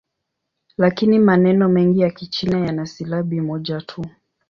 Lakini maneno mengi ya Kichina yana silabi moja tu.